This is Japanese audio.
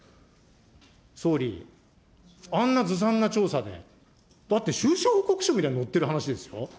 総理、あんなずさんな調査で、だって、収支報告書見たら載ってる話ですよ。